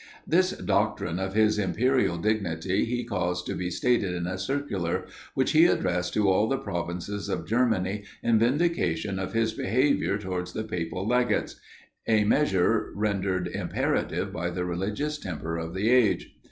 This doctrine of his imperial dignity he caused to be stated in a circular, which he addressed to all the provinces of Germany in vindication of his behaviour towards the papal legates: a measure rendered imperative by the religious temper of the age.